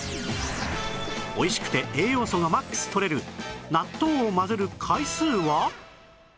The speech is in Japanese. おいしくて栄養素が ＭＡＸ とれる納豆を混ぜる回数は？